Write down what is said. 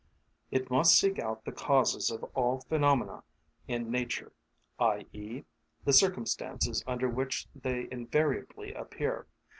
It must seek out the causes of all phenomena in nature, i.e., the circumstances under which they invariably appear.